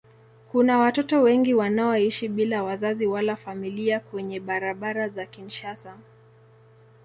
Kuna watoto wengi wanaoishi bila wazazi wala familia kwenye barabara za Kinshasa.